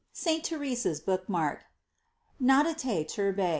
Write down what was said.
SAINT TERESA'S BOOKMARK. Nada te turbe.